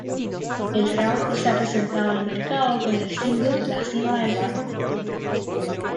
El trabajo se ha presentado al mercado con el single "La Cima del barro".